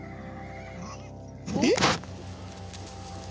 えっ！